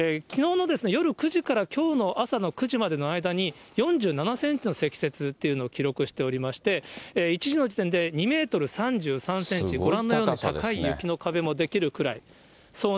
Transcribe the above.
きのうのですね、夜９時からきょうの朝９時までの間に４７センチの積雪というのを記録しておりまして、１時の時点で２メートル３３センチ、ご覧のように高い雪の壁も出来るくらい。